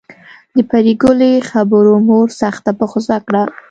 د پري ګلې خبرو مور سخته په غصه کړه